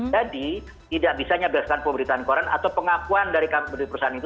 jadi tidak bisanya berdasarkan pemberitaan koran atau pengakuan dari perusahaan itu